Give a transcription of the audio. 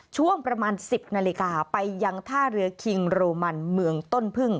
ช่วงประมาณ๑๐นาฬิกาไปยังท่าเรือคิงโรมันเมืองต้นพึ่ง